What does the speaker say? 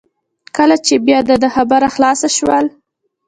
کله چې بیا د ده خبره خلاصه شول.